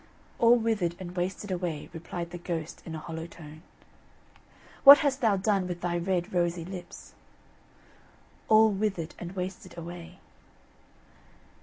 "All withered and wasted away," replied the ghost, in a hollow tone. "What hast thou done with thy red rosy lips?" "All withered and wasted away."